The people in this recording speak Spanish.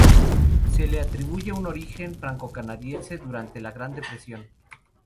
Se le atribuye un origen francocanadiense durante la Gran Depresión.